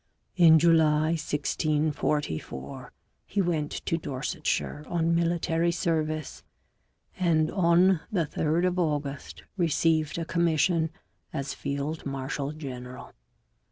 In July 1644 he went to Dorsetshire on military service, and on the 3rd of August received a commission as field marshal general.